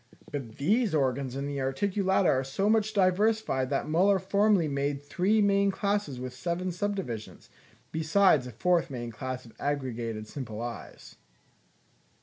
But these organs in the Articulata are so much diversified that Müller formerly made three main classes with seven subdivisions, besides a fourth main class of aggregated simple eyes.